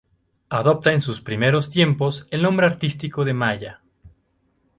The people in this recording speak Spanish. Adopta en sus primeros tiempos el nombre artístico de Maya.